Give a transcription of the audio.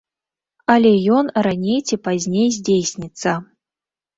Але ён раней ці пазней здзейсніцца.